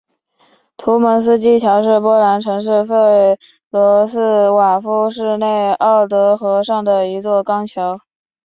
图蒙斯基桥是波兰城市弗罗茨瓦夫市内奥德河上的一座钢桥。